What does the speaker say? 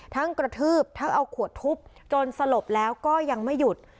กระทืบทั้งเอาขวดทุบจนสลบแล้วก็ยังไม่หยุด